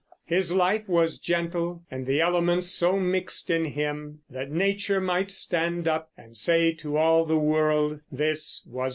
His life was gentle, and the elements So mixed in him, that Nature might stand up And say to all the world, "This was a man!"